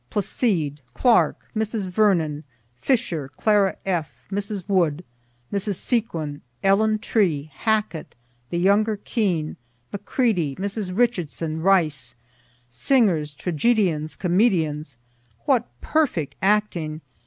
Placide, Clarke, Mrs. Vernon, Fisher, Clara F., Mrs. Wood, Mrs. Seguin, Ellen Tree, Hackett, the younger Kean, Macready, Mrs. Richardson, Rice singers, tragedians, comedians. What perfect acting!